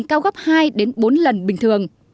cao gấp hai bốn lần bình thường